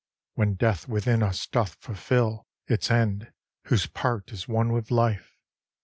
When death within us doth fulfil Its end, whose part is one with life!